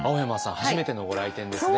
初めてのご来店ですね。